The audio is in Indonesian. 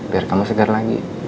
biar kamu segar lagi